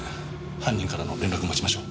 犯人からの連絡を待ちましょう。